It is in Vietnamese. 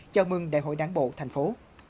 chào mừng đại hội đáng bộ thành phố